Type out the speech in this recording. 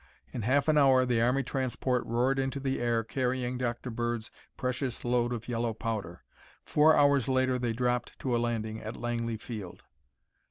In half an hour the army transport roared into the air carrying Dr. Bird's precious load of yellow powder. Four hours later they dropped to a landing at Langley Field.